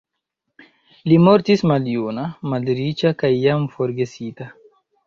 Li mortis maljuna, malriĉa kaj jam forgesita.